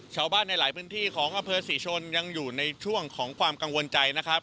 ชาวบ้านในหลายพื้นที่ของอำเภอศรีชนยังอยู่ในช่วงของความกังวลใจนะครับ